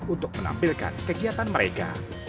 untuk menampilkan kegiatan mereka